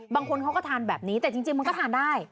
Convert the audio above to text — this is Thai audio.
บางคนเขาก็ทานแบบนี้แต่จริงมันก็ทานได้